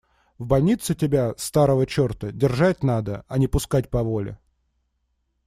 В больнице тебя, старого черта, держать надо, а не пускать по воле.